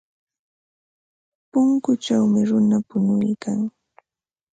Punkuchawmi runa punuykan.